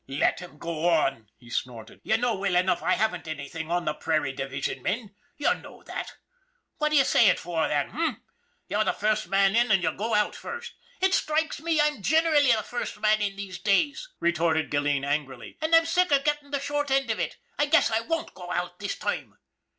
" Let 'em go on !" he snorted. " You know well enough I haven't anything on the Prairie Division men. You know that what d'ye say it for, h'm? You're the first man in and you go out first." THE BLOOD OF KINGS 191 " It strikes me I'm generally the first man in these days/' retorted Gilleen angrily; " an' I'm sick of gettin' the short end of it. I guess I won't go out this time."